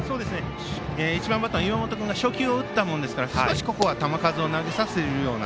１番バッター、岩本君が初球を打ったものですから少しここは球数を投げさせるような。